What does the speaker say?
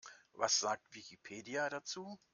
Was sagt Wikipedia dazu?